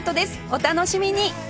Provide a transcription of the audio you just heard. お楽しみに！